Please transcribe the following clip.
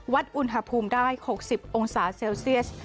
อุณหภูมิได้๖๐องศาเซลเซียส